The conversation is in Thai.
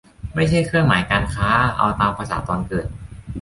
ไม่ใช่เครื่องหมายการค้า เอาตามภาษาตอนเกิด